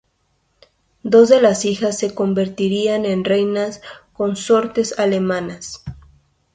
Dos de las hijas se convertirían en reinas consortes alemanas.